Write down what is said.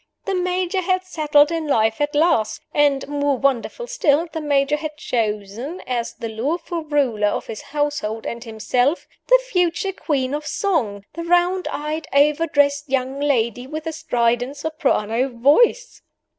The Major had settled in life at last. And, more wonderful still, the Major had chosen as the lawful ruler of his household and himself "the future Queen of Song," the round eyed, overdressed young lady with the strident soprano voice!